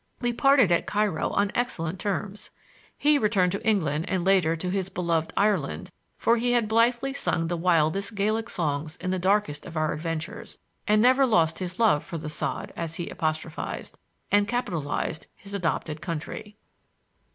We parted at Cairo on excellent terms. He returned to England and later to his beloved Ireland, for he had blithely sung the wildest Gaelic songs in the darkest days of our adventures, and never lost his love for The Sod, as he apostrophized—and capitalized—his adopted country.